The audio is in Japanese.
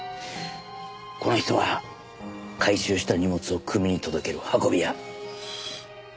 この人は回収した荷物を組に届ける運び屋。